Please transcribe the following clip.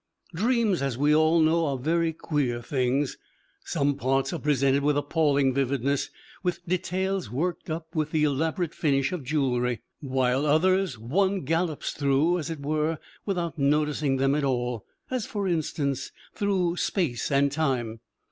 Dreams, as we all know, are very queer things: some parts are presented with appalling vividness, with details worked up with the elaborate finish of jewellery, while others one gallops through, as it were, without noticing them at all, as, for instance, through space and time.